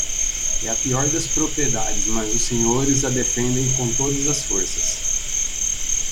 É a pior das propriedades, mas os senhores a defendem com todas as forças.